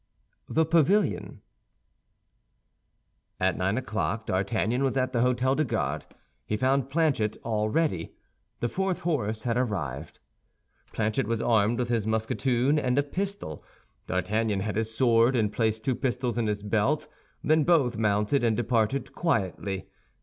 THE PAVILION At nine o'clock D'Artagnan was at the Hôtel des Gardes; he found Planchet all ready. The fourth horse had arrived. Planchet was armed with his musketoon and a pistol. D'Artagnan had his sword and placed two pistols in his belt; then both mounted and departed quietly.